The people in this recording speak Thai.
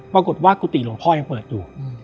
ปรากฏว่ากุติหลวงพ่อยังเปิดอยู่